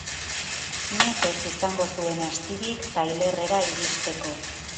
Nekez izango zuen astirik tailerrera iristeko.